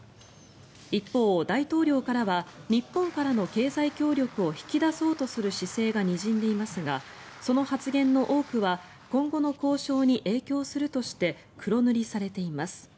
一方、大統領からは日本からの経済協力を引き出そうとする姿勢がにじんでいますがその発言の多くは今後の交渉に影響するとして黒塗りされています。